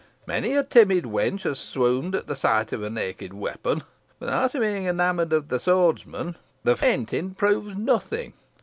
Many a timid wench has swooned at the sight of a naked weapon, without being enamoured of the swordsman. The fainting proves nothing.